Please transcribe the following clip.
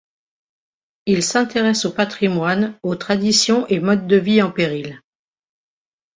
Il s’intéresse aux patrimoines, aux traditions et modes de vie en péril.